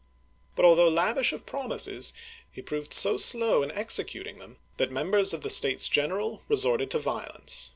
But although lavish of promises, he proved so slow in executing them, that members of the States General resorted to violence.